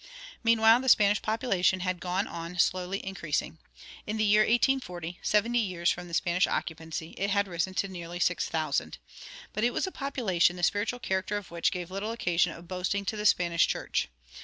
Meanwhile the Spanish population had gone on slowly increasing. In the year 1840, seventy years from the Spanish occupancy, it had risen to nearly six thousand; but it was a population the spiritual character of which gave little occasion of boasting to the Spanish church.